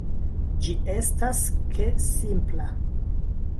Ĝi estas ke simpla.